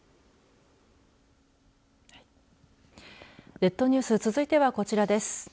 列島ニュース続いては、こちらです。